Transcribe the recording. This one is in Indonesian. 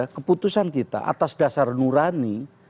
keputusan kita atas dasar nurani